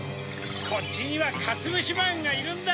こっちにはかつぶしまんがいるんだ。